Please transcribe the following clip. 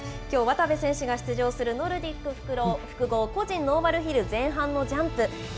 きょう、渡部選手が出場するノルディック複合個人ノーマルヒル前半のジャンプ。